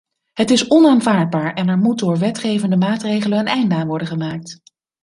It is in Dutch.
Het is onaanvaardbaar en er moet door wetgevende maatregelen een einde aan worden gemaakt.